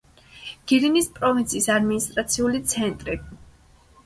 გირინის პროვინციის ადმინისტრაციული ცენტრი.